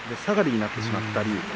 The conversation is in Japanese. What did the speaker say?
下がりになってしまったり